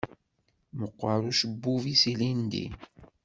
Meqqeṛ ucebbub-is ilindi.